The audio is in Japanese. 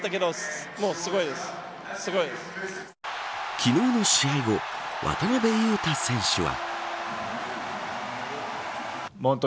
昨日の試合後渡邊雄太選手は。